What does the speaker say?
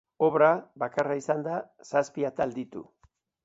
Obra, bakarra izanda, zazpi atal ditu.